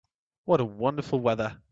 What a wonderful weather!